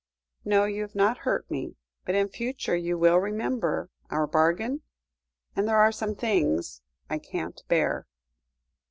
"No, you have not hurt me; but in future, you will remember our bargain? And there are some things I can't bear."